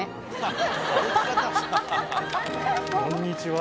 こんにちは。